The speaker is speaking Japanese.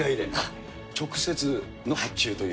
直接の発注という？